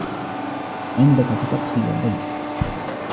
عندك فقط خيارين.